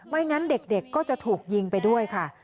งั้นเด็กก็จะถูกยิงไปด้วยค่ะ